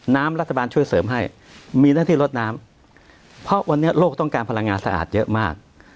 รัฐบาลช่วยเสริมให้มีหน้าที่ลดน้ำเพราะวันนี้โลกต้องการพลังงานสะอาดเยอะมาก